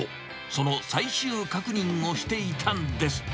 その最終確認をしていたんです。